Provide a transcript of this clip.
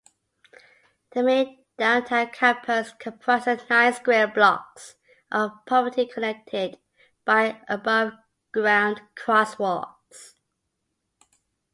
The main Downtown Campus comprises nine square blocks of property connected by above-ground crosswalks.